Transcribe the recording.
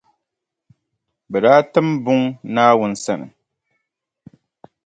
Bɛ daa tim buŋa Naawuni sani.